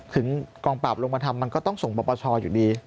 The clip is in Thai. ถึงกองปราบลงมาทำมันก็ต้องส่งปปชอยู่ดี